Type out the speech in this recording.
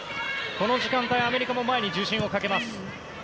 この時間帯、アメリカも前に重心をかけます。